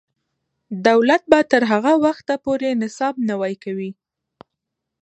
دولت به تر هغه وخته پورې نصاب نوی کوي.